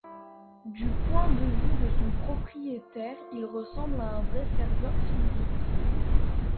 Du point de vue de son propriétaire, il ressemble à un vrai serveur physique.